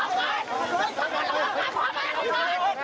ดูไม่เป็น